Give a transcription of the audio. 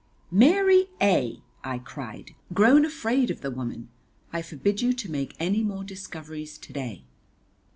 "Mary A ," I cried, grown afraid of the woman, "I forbid you to make any more discoveries to day."